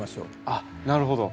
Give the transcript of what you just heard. あっなるほど。